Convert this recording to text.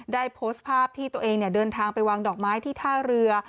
ได้โพสต์ภาพที่ตัวเองเดินทางไปวางดอกไม้ที่ท่าเรือ